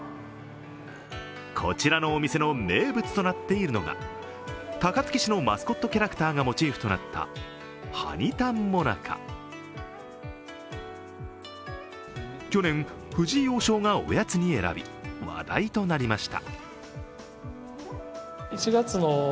こちらのお店の名物となっているのが、高槻市のマスコットキャラクターがモチーフとなった、はにたん最中去年、藤井王将がおやつに選び話題となりました。